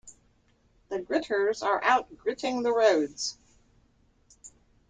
The gritters are out gritting the roads.